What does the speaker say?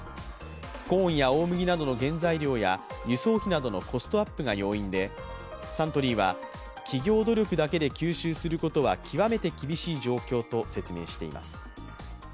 コーンや大麦などの原材料や輸送費などのコストアップが要因でサントリーは、企業努力だけで吸収することは極めて厳しい状況と説明しています。